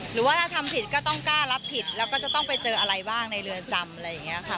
หรือว่าถ้าทำผิดก็ต้องกล้ารับผิดแล้วก็จะต้องไปเจออะไรบ้างในเรือนจำอะไรอย่างนี้ค่ะ